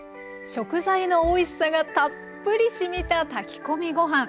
食材のおいしさがたっぷりしみた炊き込みご飯。